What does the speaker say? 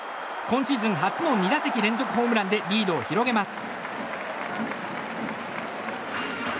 今シーズン初の２打席連続ホームランでリードを広げます。